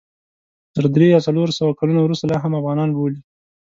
تر درې یا څلور سوه کلونو وروسته لا هم افغانان بولي.